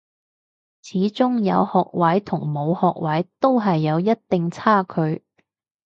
始終有學位同冇學位都係有一定差距